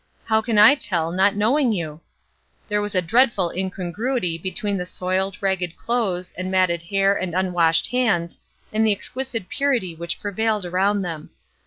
How can I tell not knowing you? There was a dreadful incongruity between the soiled, ragged clothes and matted hair and unwashed hands and the exquisite purity which prevailed around them.